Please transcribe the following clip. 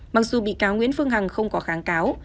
mặc dù bị cáo nguyễn phương hằng không có kháng cáo